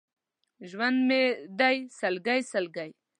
ژوند مې دی سلګۍ، سلګۍ!